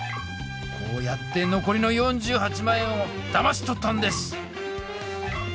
こうやってのこりの４８万円をだまし取ったんです！